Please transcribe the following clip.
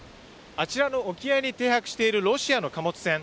あちらの沖合に停泊しているロシアの貨物船